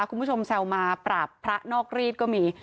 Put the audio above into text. คุณผู้ชมแซวมาปราบพระนอกรีดก็มี